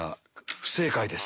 不正解です。